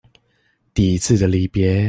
第一次的離別